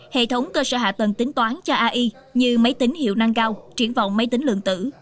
hệ thống cơ sở hạ tầng tính toán cho ai như máy tính hiệu năng cao triển vọng máy tính lượng tử